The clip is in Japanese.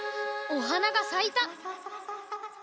おはながさいた。